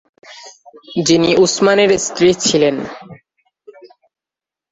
যিনি উসমানের স্ত্রী ছিলেন।